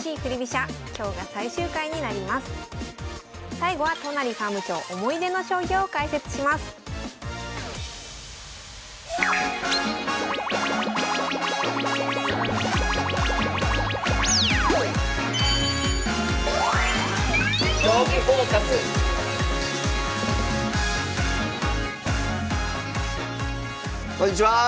最後は都成ファーム長思い出の将棋を解説しますこんにちは。